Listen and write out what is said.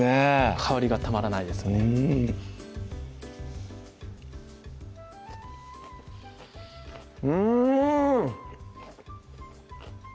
香りがたまらないですうん！